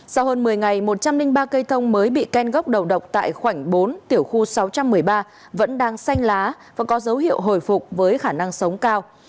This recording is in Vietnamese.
sau hơn một mươi ngày một trăm linh ba cây thông mới bị ken gốc đầu độc tại khoảnh bốn tiểu khu sáu trăm một mươi ba vẫn đang xanh lá và có dấu hiệu hồi phục với khả năng sống cao